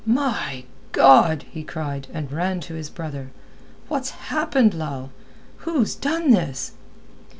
"My God!" he cried, and ran to his brother. "What's happened, Lal? Who has done this?"